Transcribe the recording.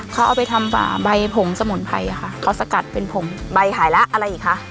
เขาเอาไปทำฝ่าใบผงสมุนไพรค่ะเขาสกัดเป็นผงใบหายละอะไรอีกคะ